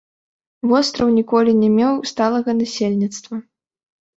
Востраў ніколі не меў сталага насельніцтва.